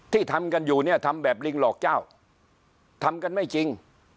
ทำกันอยู่เนี่ยทำแบบลิงหลอกเจ้าทำกันไม่จริง